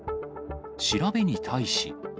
調べに対し。